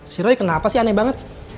si roy kenapa sih aneh banget